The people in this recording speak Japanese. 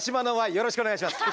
よろしくお願いします。